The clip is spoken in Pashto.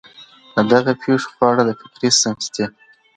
د دغه پېښو په اړه د فکري ، سمتي